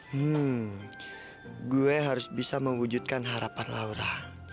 hmm gue harus bisa mewujudkan harapan laura